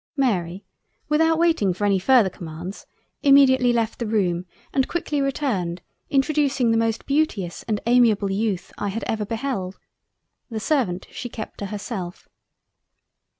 Mary, without waiting for any further commands immediately left the room and quickly returned introducing the most beauteous and amiable Youth, I had ever beheld. The servant she kept to herself.